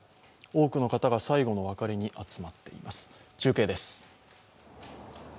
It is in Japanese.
多くの方が最後のお別れに集まっています。